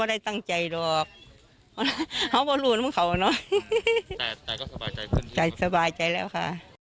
โอ้ยได้ตั้งใจดอกเขาม้อรุ่นของเขาน้อยค่ะแต่เป็นสบายใจแล้วค่ะ